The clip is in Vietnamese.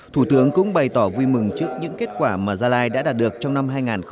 thủ tướng cũng bày tỏ vui mừng trước những kết quả mà gia lai đã đạt được trong năm hai nghìn một mươi tám